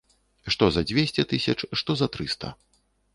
Што за дзвесце тысяч, што за трыста.